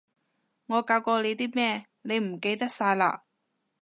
我教過你啲咩，你唔記得晒嘞？